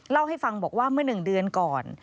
เล่าให้ฟังบอกว่าเมื่อ๑เดือนก่อน